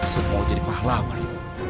semua jadi pahlawan